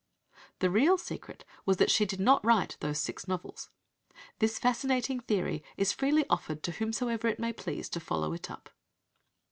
The real secret was that she did not write those six novels. This fascinating theory is freely offered to whomsoever it may please to follow it up.